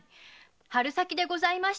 春先でございました。